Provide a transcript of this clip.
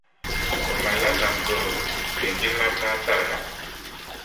O mali la nam garo din jilma paai targa.